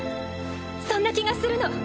そんな気がするの。